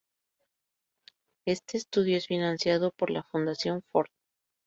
Este estudio es financiado por la Fundación Ford.